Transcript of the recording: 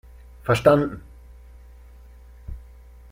Verstanden!